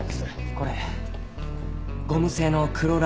これゴム製のクローラーの痕です。